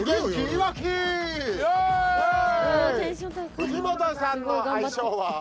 藤本さんの愛称は。